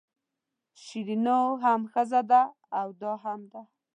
شیرینو هم ښځه ده او دا هم ده.